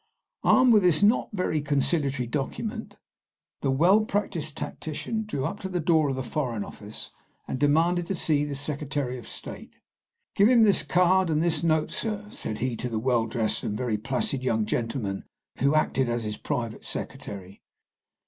Armed with this not very conciliatory document, the well practised tactician drew up to the door of the Foreign Office, and demanded to see the Secretary of State. "Give him this card and this note, sir," said he to the well dressed and very placid young gentleman who acted as his private secretary.